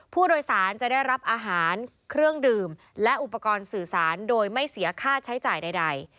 ผู้โดยสารจะได้รับอาหารเครื่องดื่มและอุปกรณ์สื่อสารโดยไม่เสียค่าใช้จ่ายใด